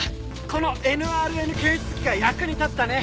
このＮＲＮ検出器が役に立ったね！